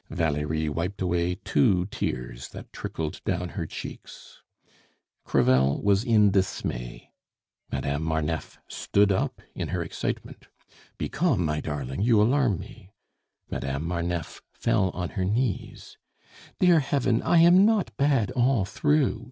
Valerie wiped away two tears that trickled down her cheeks. Crevel was in dismay. Madame Marneffe stood up in her excitement. "Be calm, my darling you alarm me!" Madame Marneffe fell on her knees. "Dear Heaven! I am not bad all through!"